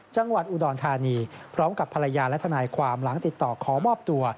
จังหวัดอุดรธานีพร้อมกับภรรยาและทนายความหลังติดต่อขอมอบตัว